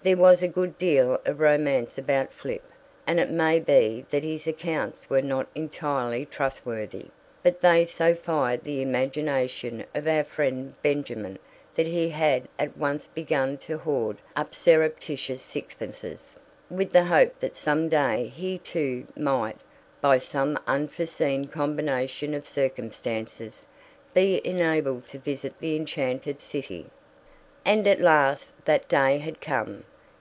There was a good deal of romance about Flipp, and it may be that his accounts were not entirely trustworthy; but they so fired the imagination of our friend Benjamin that he had at once begun to hoard up surreptitious sixpences, with the hope that some day he too might, by some unforeseen combination of circumstances, be enabled to visit the enchanted city. And at last that day had come.